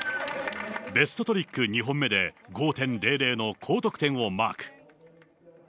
ベストトリック２本目で５．００の高得点をマーク。